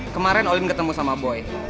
kemarin olim ketemu sama boy